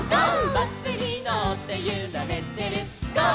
「バスにのってゆられてるゴー！